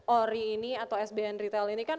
ori ini atau sbn retail ini kan